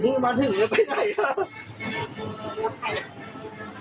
ผมพึ่งมาถึงเลยไปไหนละ